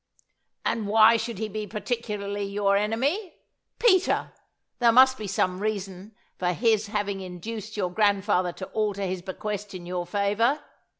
"And why should he be particularly your enemy? Peter, there must be some reason for his having induced your grandfather to alter his bequest in your favour.